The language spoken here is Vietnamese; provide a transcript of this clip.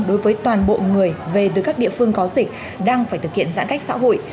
đối với toàn bộ người về từ các địa phương có dịch đang phải thực hiện giãn cách xã hội